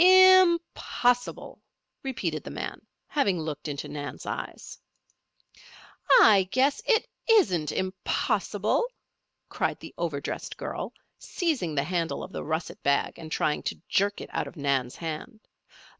"Impossible!" repeated the man, having looked into Nan's eyes. "I guess it isn't impossible!" cried the over dressed girl, seizing the handle of the russet bag and trying to jerk it out of Nan's hand.